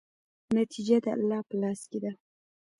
نتیجه د الله په لاس کې ده.